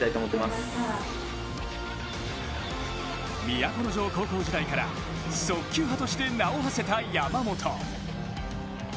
都城高校時代から速球派として名をはせた山本。